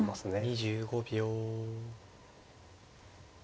２５秒。